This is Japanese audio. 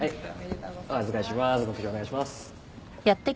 お願いします。